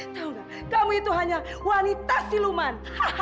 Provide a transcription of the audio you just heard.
tahu nggak kamu itu hanya wanita siluman